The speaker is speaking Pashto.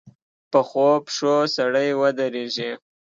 پخو پښو سړی ودرېږي